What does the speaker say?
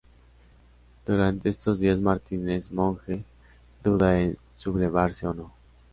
Durante estos días Martínez Monje duda en sublevarse o no.